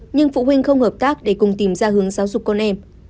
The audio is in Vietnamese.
nhưng phụ huynh không hợp tác để cùng tìm ra hướng giáo dục con em